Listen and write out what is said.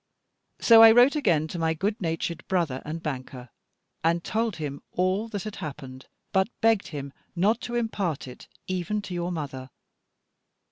So I wrote again to my good natured brother and banker, and told him all that had happened, but begged him not to impart it even to your mother.